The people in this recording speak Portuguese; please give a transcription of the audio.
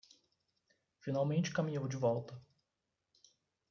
Finalmente caminhou de volta